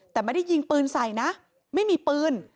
แต่ไม่ได้ยิงปืนใส่นะไม่มีปืน